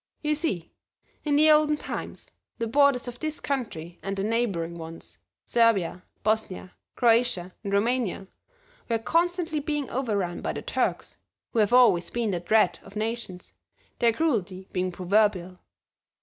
You see, in the olden times, the borders of this country, and the neighboring ones, Servia, Bosnia, Croatia and Roumania, were constantly being overrun by the Turks, who have always been the dread of nations, their cruelty being proverbial.